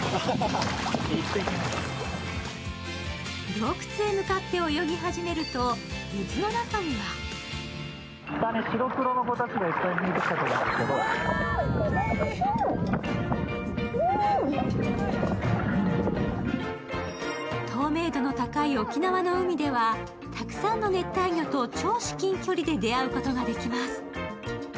洞窟へ向かって、泳ぎ始めると、水の中には透明度の高い沖縄の海では、たくさんの熱帯魚と超至近距離で出会うことができます。